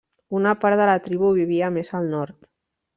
Una part de la tribu vivia més al nord.